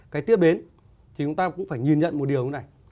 cái tiếp đến thì chúng ta cũng phải nhìn nhận một điều thế này